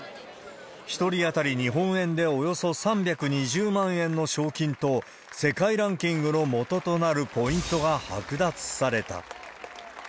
１人当たり日本円でおよそ３２０万円の賞金と、世界ランキングのもととなるポイントが剥奪された。